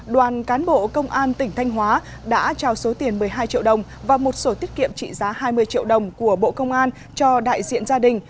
đoàn cán bộ công an tỉnh thanh hóa đã trao số tiền một mươi hai triệu đồng và một sổ tiết kiệm trị giá hai mươi triệu đồng của bộ công an cho đại diện gia đình